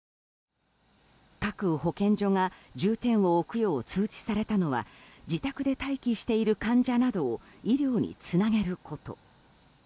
各保健所が重点を置くよう通知されたのは自宅で待機している患者などを医療につなげること。